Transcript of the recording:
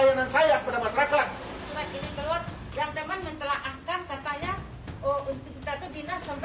ini keluar yang teman menelakkan katanya untuk kita itu dinas sampai jam empat